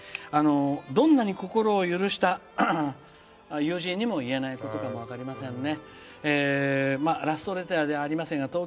どんなに心を許した友人にも言えないことかも分かりませんね。